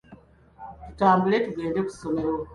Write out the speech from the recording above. Tutambule tugende ku ssomero.